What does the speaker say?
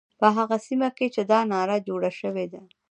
په هغه سیمه کې چې دا ناره جوړه شوې ده.